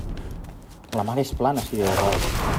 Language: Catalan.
La mar és plana si Déu vol.